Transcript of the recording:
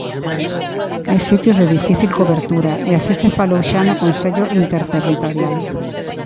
Hai sitios de difícil cobertura, e así se falou xa no Consello Interterritorial.